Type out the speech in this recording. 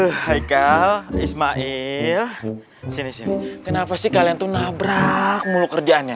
hai ismail kenapa sih kalian tuh nabrak mulu kerjaannya